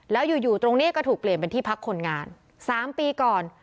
แล้วอยู่ตรงนี้ก็ถูกเปลี่ยนเป็นที่พักคนงาน๓ปีก่อน